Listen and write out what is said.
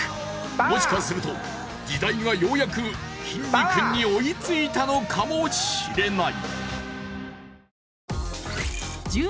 もしかすると、時代がようやくきんに君に追いついたのかもしれない。